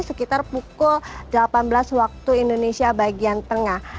sekitar pukul delapan belas waktu indonesia bagian tengah